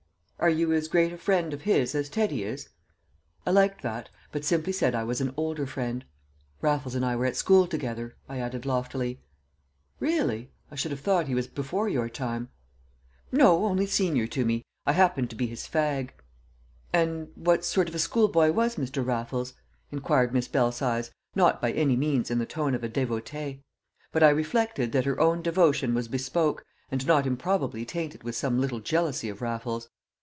"Are you as great a friend of his as Teddy is?" I liked that, but simply said I was an older friend. "Raffles and I were at school together," I added loftily. "Really? I should have thought he was before your time." "No, only senior to me. I happened to be his fag." "And what sort of a schoolboy was Mr. Raffles?" inquired Miss Belsize, not by any means in the tone of a devotee. But I reflected that her own devotion was bespoke, and not improbably tainted with some little jealousy of Raffles.